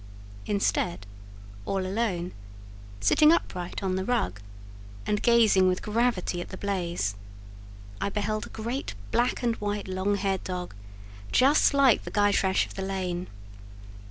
Instead, all alone, sitting upright on the rug, and gazing with gravity at the blaze, I beheld a great black and white long haired dog, just like the Gytrash of the lane.